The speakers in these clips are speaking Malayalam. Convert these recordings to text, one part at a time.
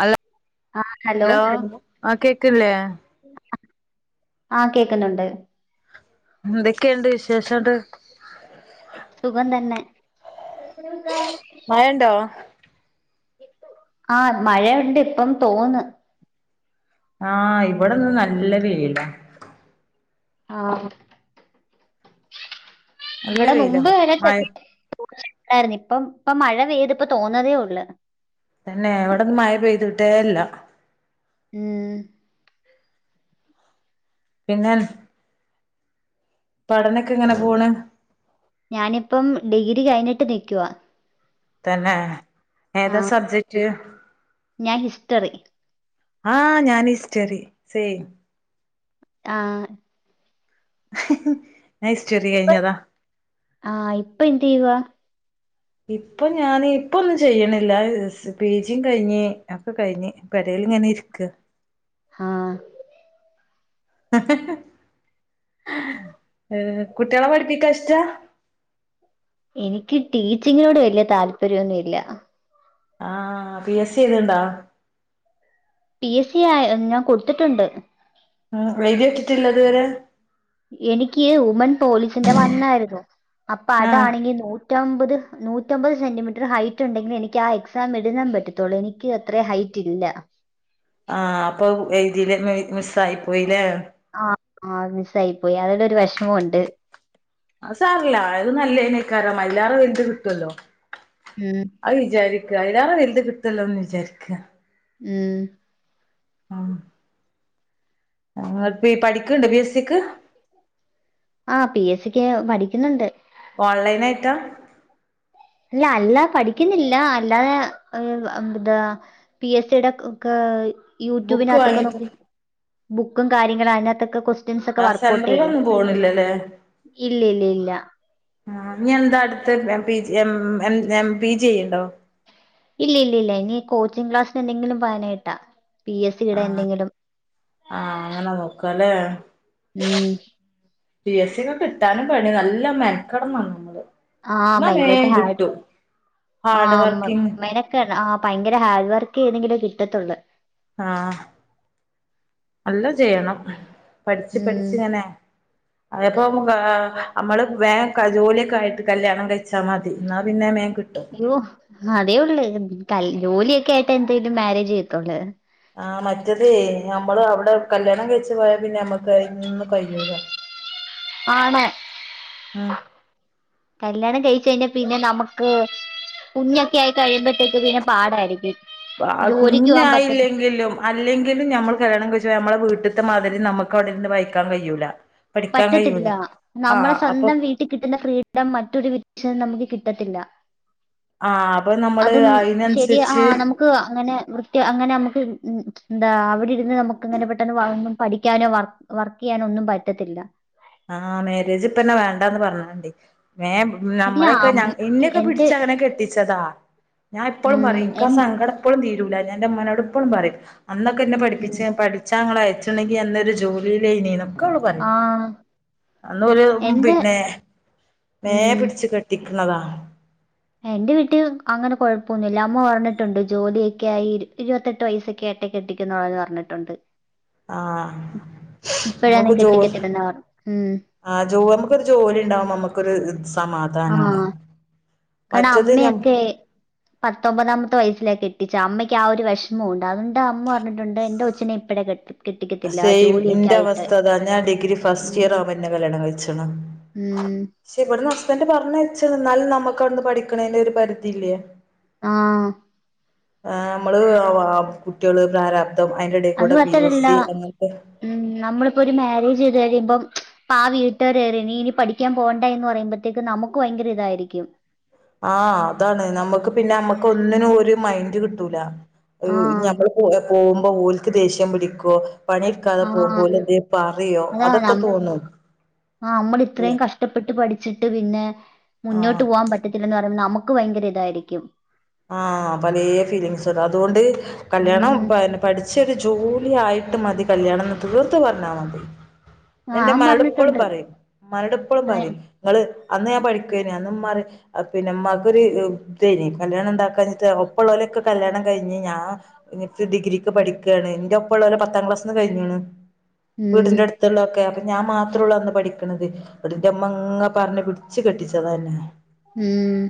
ഹലൊ ഹലോ ആഹ് കേക്കില്ലേ ആഹ് കേക്കുന്നുണ്ട് എന്തൊക്കെയുണ്ട് വിശേഷങ്ങട്ട് സുഖം തന്നെ മയണ്ടോ? ആഹ് മഴയുണ്ട് ഇപ്പം തോർന്ന് ആഹ് ഇവിടെന്ന് നല്ല വെയില ആഹ് നല്ല ഇവിടെ വെയില മുമ്പ് വരെ മഴ [unintelligible] ആയിരുന്ന് ഇപ്പം ഇപ്പം മഴ പെയ്തിപ്പം തോർന്നതേ ഉള്ള് തെന്നേ ഇവിടന്ന് മഴ പെയ്തിട്ടേല്ല ഉം പിന്നെ പഠനൊക്കെങ്ങനെ പോണ്? ഞാനിപ്പം ഡിഗ്രി കഴിഞ്ഞിട്ട് നിക്കുവാ തന്നെ ഏതാ ആഹ് സബ്ജക്റ്റ്? ഞാൻ ഹിസ്റ്ററി ആഹ് ഞാനുസ്റ്ററി സെയിം ആഹ്. ഞാൻ ഹിസ്റ്ററി കഴ്ഞ്ഞതാ. ആഹ് ഇപ്പൊന്തെയ്യുവാ. ഇപ്പൊ ഞാന് ഇപ്പൊന്നും ചെയ്യ്ണില്ല പീ ജിം കഴ്ഞ്ഞ് ഒക്കെ കഴ്ഞ്ഞ്. പെരേല്ങ്ങനെ ഇര്ക്കാ. ആഹ്. കുട്ട്യോളെ പഠിപ്പിക്കാനിഷ്ടാ? എനിക്ക് ടീച്ചിംങ്ങിനോട് വല്യ താല്പര്യൊന്നുല്ല്യ. ആഹ് പി എസ് സി എയ്ത്ണ്ടോ. പി എസ് സി ആഹ് ഞാൻ കൊടുത്തിട്ടുണ്ട്. ആഹ് എഴുത്യോക്കിട്ടില്ലെ ഇതുവരെ. എനിക്ക് വുമൺ പോളിസിന്റെ വണ്ണായിരുന്നു ആഹ് അപ്പൊഅതാണെങ്കി നൂറ്റ് നൂറ്റമ്പത് നൂറ്റമ്പത് സെൻറീമീറ്റർ ഹൈറ്റ്ണ്ടെങ്കില് എനിക്കാഎക്സാം എഴുതാൻ പറ്റത്തൊള്ളൂ എനിക്ക്. ക്ക് അത്രേം ഹൈറ്റ് ഇല്ല. ആഹ് അപ്പൊ എഴുതീല് മിസ്സായി പോയിലേ. ആഹ് ആഹ് മിസായി പോയി അതിലൊരു വെഷ്മംണ്ട്. അത് സാരല്ല അത് നല്ലതിനേക്കാരം അയ്ലാറെ വൽത് കിട്ടൊല്ലോ. ഉം. അത് വിചാരിക്ക അയ്ലേറെ വെൽത് കിട്ടല്ലോന്ന് വിചാരിക്ക. ഉം. ഉം. പീ പഠിക്ക്ണ്ടൊ പി എസ് സിക്ക്. ആഹ് പി എസ് സിക്ക് പഠിക്ക്ന്ന്ണ്ട്. ഓൺലൈനായ്ട്ടാ. അല്ല അല്ലാ പഠിക്കുന്നില്ലാ അല്ലാതെ താ പി എസ് സിടെ ഒക്കെ. ബുക്ക് യൂട്യൂബിനാത്തൊക്കെ വാങ്ങിട്ട് നോക്കും ബുക്കും കാര്യങ്ങളും അയ്നത്തൊക്കെ കൊ ജൻസൊക്കെ ആഹ് വർകൗട്ടെയ്യുന്നു സെന്ററിലൊന്നും പോണില്ലല്ലേ ഇല്ല്യല്ല്യല്ല്യ ആഹ്, ഞ്ഞി എന്താ അട്ത്തെ M P G M M M P G ചെയ്യ്ണ്ടോ? ഇല്ല്യല്ല്യല്ല്യ ഇനി കോച്ചിംഗ് ക്ലാസ്സിന് എന്തെങ്കിലും പാനേട്ടാ പി എസ് സീടെ ആഹ് എന്തെങ്കിലും ആഹ്, അങ്ങനെ നോക്കാല്ലേ. ഉം. പി എസ് സി ഒക്കെ കിട്ടാനും പണ്യാ നല്ല മെൻകടണം നമ്മള്. ആ ന്നാമേം ഭയങ്കരമായിട്ട് ഹാർഡ് കിട്ടും. ഹാഡ് വർക്കിംഗ് [unintelligible] ആഹ്, പയങ്കര ഹാർഡ് വർക്കെയ്തെങ്കിലെ കിട്ടത്തൊള്ള്. ആഹ്, നല്ലം ചെയ്യണം. പഠിച്ച് ഉം പഠിച്ച്ങ്ങനെ അതേപ്പൊ അമ്മള് വേം ക ജോലിയൊക്കായിട്ട് കല്ല്യാണം കഴിച്ചാ മതി. ന്നാ പിന്നെ മേം കിട്ടും. യോ അതേഒള്ള് കൽ ജോലിയൊക്കെ ആയിട്ടെ എന്തേലും മാരേജ് ചെയ്യത്തൊള്ള്. ആഹ്, മറ്റേത് ഞമ്മള് അവ്ടെ കല്ല്യാണം കഴ്ച്ച് പോയാ പിന്നെ ഞമ്മക്ക് അയ്ന്നും കയ്യൂല. ആണ്. ഉം കല്ല്യാണം കയ്ച്ച് കഴ്ഞ്ഞാ പിന്നെ നമുക്ക് കുഞ്ഞൊക്കെയായി കഴിയുമ്പോഴ്ത്തേക്ക് പിന്നെ പാടായിരിക്കും. പാ ജോലിക്ക് പോകാൻ പറ്റ കുഞ്ഞായില്ലെങ്കിലും അല്ലെങ്കിലും ഞമ്മൾ കല്ല്യാണം കഴിച്ച് പോയാ അമ്മളെ വീട്ട്ത്തെ മാതിരി നമുക്ക് അവിടെര്ന്ന് വായിക്കാൻ കയ്യൂല. പറ്റത്തില്ല നമ്മളെ സ്വന്തം അപ്പൊ വീട്ടി കിട്ടുന്ന ഫ്രീഡം മറ്റൊരു വീട്ട്ച്ചെന്നാ നമുക്ക് കിട്ടത്തില്ല. ആഹ് അപ്പൊ നമ്മള് അതും ശരി അയിനനുസരിച്ച് ആഹ്, നമു ക്ക് അങ്ങനെ വൃത്തി അങ്ങനെ അമുക്ക് ന്താ അവിടിരുന്ന് നമുക്ക്ങ്ങനെ പെട്ടെന്ന് വളർന്ന് പഠിക്കാനോ വർ വർക്കെയ്യാനൊന്നും പറ്റത്തില്ല. ആഹ്, മേരേജ് ഇപ്പന്നെ വേണ്ടാന്ന് പർഞോണ്ടി. വേം ഇല്ല ഞമ്മളൊക്കെ അം ഞ ഇന്നെയൊക്കെ എന്റെ പിടിച്ചങ്ങനെ കെട്ടിച്ചതാ ഞാൻ എപ്പളും ഉം പറിയും എൻ ഇൻക്കാസങ്കട പ്പളും തീരൂല. ഞാൻ ന്റെ മ്മനോട് പ്പളും പറിം അന്നൊക്കെ ന്നെ ഉം പഠിപ്പിച്ചാ പഠി ച്ചാങ്ങളയച്ചുണ്ടെങ്കി ഞാ ന്നൊരു ജോലിയിലെയ്നീന്നും ആഹ്. അന്ന് ഓല് പിന്നെ മേ ഉം പിട്ച്ച് കെട്ടിക്ക്ന്നതാ എന്റെ വീട്ടി അങ്ങനെ കൊഴപ്പൊന്നുല്ല അമ്മ പറഞ്ഞിട്ടുണ്ട് ജോലിയൊക്കെയായി ഇരു ഇരുവത്തെട്ട് വയസ്സൊക്കെ ആ ട്ടെ കെട്ടിക്കുന്ന് [unintelligible] പർഞ്ഞിട്ടുണ്ട്. ആഹ് ഇപ്പഴാണെ നമുക്ക് ജോലി കെട്ടിക്കെത്തില്ലെന്ന് പർ ഉം ആഹ് ജോ അമുക്കൊരു ജോലിണ്ടാവുമ്പം അമ്മക്കൊര് സ് ആ സമാധാനാണ്. കാരണം മറ്റത് ഞം അമ്മയൊക്കെ പത്തൊമ്പതാമത്തെ വയസ്സിലേ കെട്ടിച്ചെ അമ്മയ്ക്കാ ഒരു വെഷ് മുണ്ട് അതൊണ്ട അമ്മ പർഞ്ഞിട്ടുണ്ട് എന്റെ കൊച്ചിനെ ഇപ്പഴെ കെട്ടി കെട്ടിക്കത്തില്ല. സെയിം ജോലിയൊക്കെ ഇന്റെ ആയിട്ട്. അവസ്ഥ അതാ ഞാൻ ഡിഗ്രി ഫസ്റ്റ് ഉം. ഇയർ ആവുമ്പൊ ഇന്നെ കല്ല്യാണം കഴിച്ചിണ്. ഉം പക്ഷേ ഇവട്ന്ന് ഹസ്ബെൻ്റ് പർഞ്ഞയ്ച്ച്ണ്. ന്നാലും നമുക്കവ്ട്ന്ന് പഠിക്കണേന്റൊര് പരിധിയില്ല്യേ ആഹ്. ആഹ്, മ്മള് കുട്ട്യെള് പ്രാരാബ്ദം അത് അയ്ന്റെടേക്കൂടെ പി എസ് മാത്രല്ല സി അങ്ങൻത്തെ ഉം, അമ്മളിപ്പൊര് മാരേജ് ചെയ്ത് കഴിയുമ്പം പ്പാ വീട്ടാരേറി നീ ഇനി പഠിക്കാൻ പോണ്ടാ എന്ന് പറയുമ്പൊത്തേക്ക് നമുക്ക് വയങ്കര ഇതായിരിയ്ക്കും. ആഹ്, അതാണ് നമ്മുക്ക് പിന്നെ അമ്മക്ക് ഒന്നിനും ഒരു മൈൻഡ് കിട്ടൂല. ആ. ഹ് ഞമ്മള് പോയ പോകുമ്പം ഓൽക്ക് ദേഷ്യം പിടിക്കോ പണിട് ക്കാതെ ആ. പോവുമ്പോലെന്തേ പറിയോ അതൊക്കെ തോന്നും ആഹ് നമ്മള് ഇത്രയും അല്ലെ കഷ്ടപ്പെട്ട് പഠിച്ചിട്ട് പിന്നെ മുന്നോട്ട് ആഹ് പോകാൻ പ റ്റത്തില്ലന്ന് പറഞ്ഞാൽ നമുക്ക് ഭയങ്കര ഇതായിരിക്കും ആഹ് പലേ ഫീലിങ്സൊക്കെ അതുകൊണ്ട് കല്യാണം ഉം. പ പഠിച്ചൊരു ജോലി ആയിട്ട് മതി കല്യാണംന്ന് തീർത്ത് പറഞ്ഞാ മതി ആ, ഞാൻ ഇന്റെ ഇമ്മാനോട് ഇപ്പളും പറഞ്ഞിട്ടുണ്ട്. പറയും ഇമ്മാനോട് ഇപ്പളും ഏ. പറയും നിങ്ങള് അന്ന് ഞാൻ പഠിക്കേനി അന്ന് മ്മ പറയും ആഹ് പിന്നെ മ്മാക്കൊരു ഇതേനി കല്യാണ ഉണ്ടാക്കാ ഞ്ഞിട്ട് ഒപ്പള്ളോലൊക്കെ കല്യാണം കഴി ഞ്ഞ് ഞാൻ ഇനിപ്പ ഡിഗ്രിക്ക് പഠിക്കാണ് ഇന്റപ്പള്ളോളെ പത്താം ക്ലാസ്സ്‌ന്ന് കഴിഞ്ഞ്ണ് ഉം. വീടിന്റെ അടുത്തുള്ളൊക്കെ അപ്പൊ ഞാൻ മാത്രള്ളൂ അന്ന് പഠി ക്ക്ണത് ങ്ങട്ട്ന്റെ മ്മങ്ങ പറഞ്ഞ് പിടിച്ചു കെട്ടിച്ചതാന്നെ ഉം.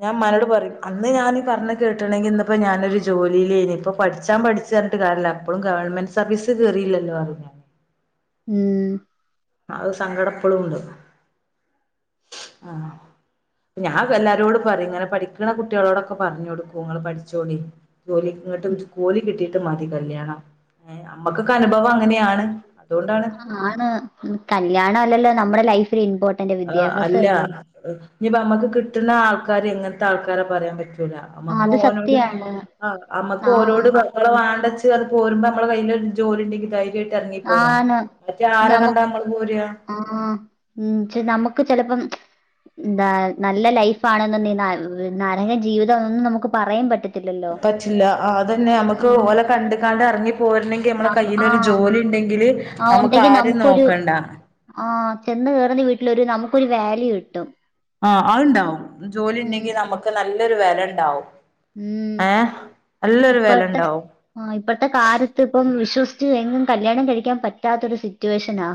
ഞാൻ ഇമ്മാനോട് പ അന്ന് ഞാന് പറഞ്ഞെ കേട്ട്ണെങ്കിൽ ഇന്ന്പ്പോ ഞാനൊരു ജോലിയിലേനി ഇപ്പൊ പഠിച്ചാ പഠിച്ച്ന്ന് പറഞ്ഞിട്ട് കാര്യല്ല പ്പളും ഗവണ്മെന്റ് സർവീസ് കേറീലല്ലോ പറിം ഞാൻ ഉം ആഹ് ഒരു സങ്കടം ഇപ്പളും ഉണ്ട് ആഹ് ഞാൻ എല്ലാരോടും പറയും ഇങ്ങനെ പഠിക്ക്ണെ കുട്ടികളോടൊക്കെ പറഞ്ഞൊടു ക്കും ഇങ്ങള് പഠിച്ചോളി ജോലി ഇങ്ങോട്ട് ജോലി കിട്ടിട്ട് മതി കല്യാണം ഏഹ് അമ്മക്കൊക്കെ അനുഭവം അങ്ങനെയാണ് അതുകൊണ്ടാണ് ആണ് കല്യാണ അല്ലല്ലോ നമ്മുടെ ലൈഫില് ഇമ്പോർട്ടന്റ് വിദ്യാഭ്യാസം അല്ല അല്ലേ ആഹ് ഇനിയിപ്പ നമ്മുക്ക് കിട്ട്ണ ആൾക്കാര് എങ്ങനത്തെ ആൾക്കാരാ പറയാൻ പറ്റ റ്റൂല ആ മ്മക്ക് അത് ഓനോട് സത്യാണ്. ആഹ് നമ്മക്ക് ആ ഓനോട് പ ഇങ്ങളെ വാണ്ടച്ച് പറഞ്ഞ് പോരുമ്പോ നമ്മളെ കയ്യില് ഒരു ജോലിണ്ടെങ്കി ധൈര്യാ യിട്ട് ഇറങ്ങി പോരാ ആണ്. മറ്റേ ആരാ കണ്ടാ നമ്മള് പോരാ ആഹ് ഉം ച്ചെ നമുക്ക് ചെലപ്പം എന്താ നല്ല ലൈഫാ ആണ്ന്ന് ന്നാ നരക ജീവിതം എന്നൊന്നും നമുക്ക് പറയാൻ പറ്റത്തി പറ്റില്ല ആഹ് അതന്നെ നമുക്ക് ഓലെ കണ്ട് കാണ്ട് ഇറങ്ങി പോര്ണെങ്കി നമ്മളെ നം ആ. കയ്യിലൊരു ഒരു ജോലി ഉണ്ടെങ്കില് നമുക്ക് ആരും നോക്കണ്ട ആഹ് ചെന്ന് കേറുന്ന വീട്ടിലൊരു നമുക്കൊരു വാല്യൂ കിട്ടും ആഹ് അത്ണ്ടാവും ജോലി ഉം. ഉണ്ടെങ്കി നമുക്ക് നല്ലൊരു വെലണ്ടാവും ഉം. ഏഹ് നല്ലൊരു വെലണ്ടാവും ആഹ് ഇപ്പഴത്തെ കാലത്ത് ഇപ്പം വിശ്വസിച്ച് എങ്ങും കല്യാണം കഴിക്കാൻ പറ്റാത്തൊരു സിറ്റുവേഷനാ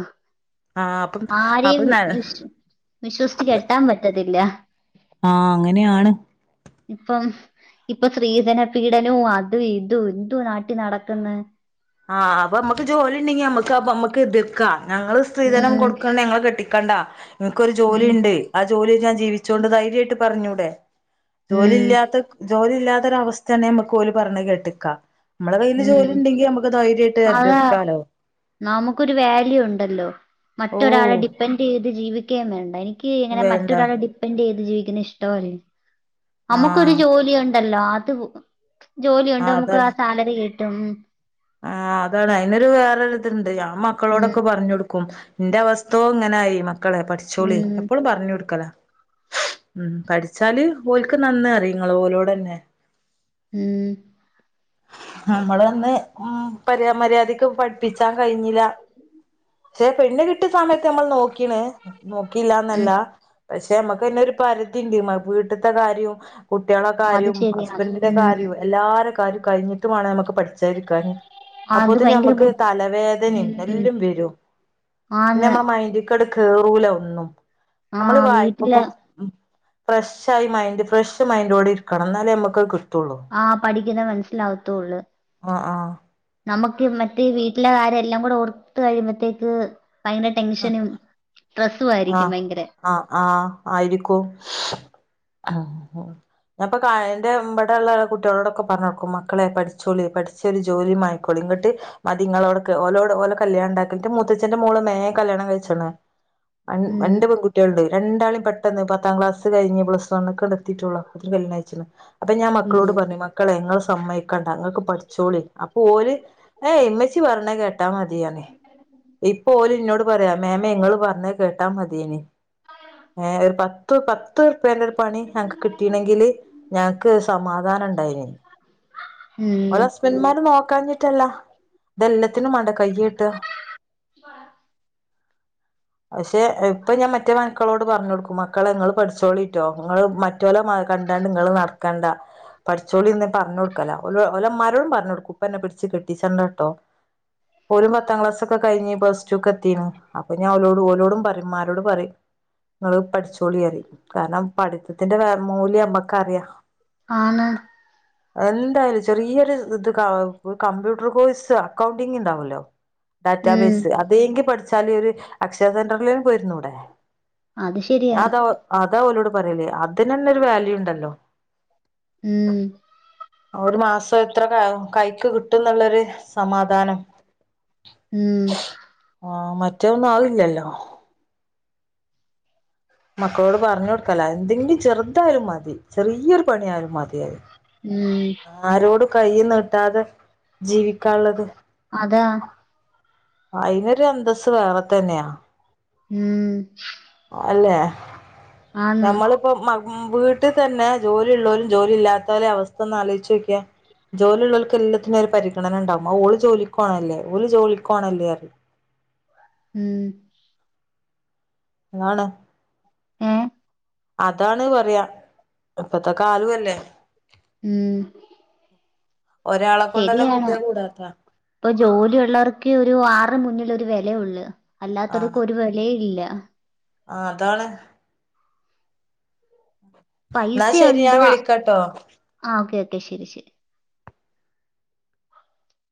ആഹ് അപ്പം ആരെയും അപ്പൊ ആഹ് വിശ് വിശ്വസിച്ച് കെട്ടാൻ പറ്റത്തില്ല ആഹ് അങ്ങനെയാണ് ഇപ്പം ഇപ്പൊ സ്ത്രീധന പീഡനവും അത് ഇതും എന്തുവാ നാട്ടിൽ നടക്കുന്നെ ആഹ് അപ്പൊമ്മക്ക് ജോലി ഉണ്ടെങ്കി മ്മക്ക് ആഹ് പ്പോ മ്മക്ക് എതിർക്കാം ഞങ്ങള് സ്ത്രീധനം ഉം കൊടുക്ക ഞങ്ങള് കെട്ടിക്ക ക്കണ്ടാ ഇങ്ങക്കൊരു ജോലി ഉം ഉണ്ട് ആഹ് ജോലിയിൽ ഞാൻ ജീവിച്ചുകൊണ്ട് ധൈര്യമായിട്ട് പറഞ്ഞൂടെ ഉം ജോലി ഇല്ലാത്ത ജോലി ഇല്ലാത്തൊര അവസ്ഥയാണ് നമ്മുക്ക് ഓല് പറഞ്ഞ കേട്ട്ക്ക മ്മളെ കയ്യില് ഉം ജോലി ഉണ്ടെങ്കി നമക്ക് അതാ നമുക്കൊരു വാല്യൂ ഉണ്ടല്ലോ ഓ മറ്റൊരാളെ ഡിപ് ഡിപെൻറ് ചെയ്ത് ജീവിക്കുകയും വേണ്ട എനിക്ക് ഇങ്ങനെ വേണ്ട മറ്റൊരാളെ ഡിപ്പെൻറ് ചെയ്ത് ജീവിക്കുന്നത് ഇഷ്ടവും അല്ല അമ്മക്കൊരു ആഹ് ജോലി ഉണ്ടല്ലോ അത് ജോലിയുണ്ട് നമുക്ക് ആഹ് സാലറി കിട്ടും ആഹ് അതാണ് അയ്നൊരു വേറൊരു ഇതുണ്ട് ഞാൻ ഉം മക്കളോടൊക്കെ പറഞ്ഞ് കൊടുക്കും ന്റെ അവസ്ഥോ ഇങ്ങനായി മക്കളെ പഠിച്ചോളി ഉം എപ്പോളും പറഞ്ഞ് കൊടുക്കലാ ഉം പഠിച്ചാല് ഓല്ക്ക് നന്ന് അറിയും ങ്ങള് ഓലോടെന്നെ ഉം നമ്മളൊന്ന് ഉം പര്യാ മര്യാദക്ക് പഠിപ്പിച്ചാൻ കഴിഞ്ഞില്ല പക്ഷെ പെണ്ണ് കിട്ടിയ സമയത്ത് നമ്മൾ നോക്കീണ് നോക്കിയില്ലന്നല്ല ഉം പക്ഷേ നമ്മക്കയ്ന് ഒരു പരിതി ഉണ്ടിമ വീട്ടത്തെ കാര്യവും കുട്ടികളെ അത് കാര്യവും ശരിയാ ഹസ്ബൻഡിന്റെ ഉം കാര്യവും എല്ലാര കാര്യും കഴിഞ്ഞിട്ടുമാണ് നമ്മുക്ക് പഠിച്ചാൻ ഇരിക്കാൻ അത് അപ്പോത്തിന് ഭയങ്കര നമക്ക് ബുദ്ധി തലവേദനയും ഉം എല്ലാം വരും പിന്നെ ആന്ന് നമ്മ മൈൻഡ് ക്കട് കേറൂല ഒന്നും ആ നമ്മള് വായിക്കുമ്പോ വീട്ടില് ഫ്രഷ് ആയി മൈൻഡ് ഫ്രഷ് മൈൻഡോടെ ഇരിക്കണം എന്നാലേ നമുക്ക്ത് കിട്ടൂള്ളൂ ആഹ് പഠിക്കുന്ന മനസ്സിലാവത്തോള്ളു ആഹ് ആഹ് നമുക്ക് മറ്റേ വീട്ടിലെ കാര്യ എല്ലാം കൂടെ ഓർത്ത കഴിയുമ്പോഴത്തേക്ക് ഭയങ്കര ടെൻഷനും സ്ട്രെസ്സും ആയിരിക്കും ആഹ് ഭയങ്കര ആഹ് ആഹ് ആയിരിക്കും ഞാൻ ഇപ്പൊ എന്റെ ഇവിടെ ഉള്ള കുട്ടികളോടൊക്കെ പറഞ്ഞുകൊടുക്കും മക്കളെ പഠിച്ചോളി പഠിച്ച ച്ചൊരു ജോലി മാങ്ങിക്കോളി ഇന്നിട്ട് മതി ഇങ്ങളോടക്കെ ഓലോട് ഓടെ കല്യാണ ഉണ്ടാക്കിട്ട് മുത്തച്ഛ്ന്റെ മോള് മേ കല്യാണം കഴിച്ചാണ് ര ഉം രണ്ട് പെൺകുട്ടികളുണ്ട് രണ്ടാളും പെ പെന്ന് പത്താം ക്ലാസ് കഴിഞ്ഞ് പ്ലസ് വൺക്ക് എത്തിട്ടെളളൂ കല്യാണഴിച്ചേനി അപ്പം ഞാൻ മക്കളോട് ഉം പറഞ്ഞു മക്ക ക്കളെ ഇങ്ങള് സമ്മയ്ക്ക ക്കണ്ട ഇങ്ങൾക്ക് പഠിച്ചോളി അപ്പൊ ഓര് ഏയ് ഇമ്മച്ചി പറിണത് കേട്ടാ മതി പറഞ്ഞ് ഇപ്പോ ഓല് ഇന്നോട് പറയാ മേമേ ഇങ്ങള് പറഞ്ഞത് കേട്ടാ മതിയ്നി ഏ ഒരു പത്ത് പത്ത്റുപ്പേന്റെ ഒരു പണി ഞങ്ങക്ക് കിട്ടീണെങ്കില് ഞങ്ങക്ക് സമാധാനം ഉണ്ടായിനി ഓലെ ഉം ഹസ്ബൻമാര് നോക്കാഞ്ഞിട്ടല്ല ഇതെല്ലാത്തിനും വേണ്ട കൈ നീട്ടാ [inaudible] പക്ഷെ ഇപ്പൊ ഞാൻ മറ്റേ മക്കളോട് പറഞ്ഞ കൊടുക്കും മക്കളെ ഇങ്ങള് പഠിച്ചോളിട്ടോ നിങ്ങള് മ മറ്റേല കണ്ടാണ്ട് നിങ്ങള് നടക്കേണ്ടാ പഠിച്ചൊളി ഇന്ന് പറഞ് കൊടുക്കലാ ഓല് ഓല ഇമ്മാരോടും പറഞ്ഞു കൊടുക്കും ഇപ്പ തന്നെ പിടിച്ചു കെട്ടിച്ചണ്ടാട്ടോ ഓലും പത്താം ക്ലാസ്സോക്കെ കഴിഞ്ഞ് പ്ലസ്ടുക്ക് എത്തിണ് അപ്പൊ ഞാൻ ഓലോട് ഓലോടും പറയും ഉമ്മാരോട് പറയും ഇങ്ങള് പഠിച്ചോളി പറയും കാരണം പഠിത്തത്തിന്റെ മൂല്യം ഞമ്മക്കറിയാം ആണ് അതെന്തായാലും ചെറിയൊരു ഇത് കമ്പ്യൂട്ടർ കോഴ്സ് അക്കൗണ്ടിങ് ഉണ്ടാവല്ലോ ഉം ഡാറ്റാബേസ് അതെങ്കി പഠിച്ചാല് ഒരു അക്ഷയ സെന്ററിലേൽ പോയിരുന്നൂടെ അത് ഞാൻ ശരിയാ അതാ അതാഓലോട് പറയലേ അതിനന്നെ ഒരു വാല്യൂ ഉണ്ടല്ലോ ഉം ഒര് മാസം എത്ര കാ കൈക്ക് കിട്ടുന്നെള്ളൊരു സമാധാനം ഉം ആഹ് മറ്റേ ഒന്ന് ആയ് ഇല്ലല്ലോ മക്കളോട് പർഞ്ഞ് കൊടുക്കലാ എന്തെങ്കിലും ചെറുതായാലും മതി ചെറിയൊറു പണി ആയാലും മതിയായി ഉം ആരോട് കൈയ്യ് നീട്ടാതെ ജീവിക്കാള്ളത് അതാ അയിനൊരു അന്തസ്സ് വേറെ തന്നെയാ ഉം അല്ലേ ആന്ന് ഞമ്മള് ഇപ്പോ മാ വീട്ടിതന്നെ ജോലി ഇള്ളോലും ജോലി ഇല്ലാത്തോലെ അവസ്ഥ ഒന്ന് ആലോയിച്ച് നോക്കിയെ ജോലി ഇള്ളോൽക്ക് എല്ലാത്തിന് ഒര് പരിഗണനണ്ടാവും ഓള് ജോലിക്കോണല്ലേ ഓല് ജോലിക്കോണല്ലേ പറയും ഉം ആണ് ഏഹ് അതാണ് പറയാ ഇപ്പത്തെ കാലു അല്ലെ ഉം ഒരാളെ കൊണ്ട്ന്നെ കൂട്ടിയ കൂടാത്താ ഇപ്പോ ജോലിള്ളവർക്കെ ഒരു ആറെമുന്നിലോരു വേലയോള്ളു, അല്ലാത്തോര്ക്ക് ആഹ് ഒരു വേലെ ഇല്ല ആഹ് അതാണ് എന്നാ ശരി പൈസ്സയുണ്ടോ ഞാൻ ആഹ് വിളിക്കാട്ടോ ഓക്കെ ഓക്കെ ശെരി ശെരി